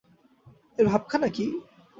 এর ভাবখানা কী?